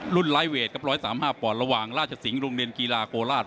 รุ่นไลฟ์เวท๑๓๕ป่อนระหว่างราชสิงฯโรงเรียนกีฬาโกราช